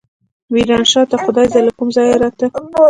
ميرانشاه ته خدايزده له کوم ځايه راته.